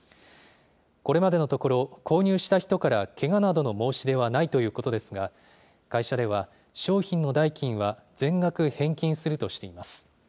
これまでのところ、購入した人からけがなどの申し出はないということですが、会社では、商品の代金は全額返金するとしています。